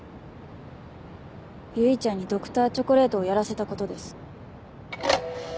唯ちゃんにＤｒ．チョコレートをやらせたことです。